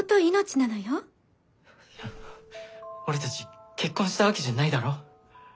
いや俺たち結婚したわけじゃないだろ。